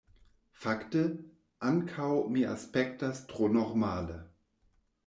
Fakte, ankaŭ mi aspektas tro normale.